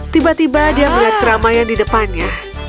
tiba tiba dia melihat keramaian di depannya